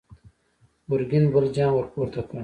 ګرګين بل جام ور پورته کړ!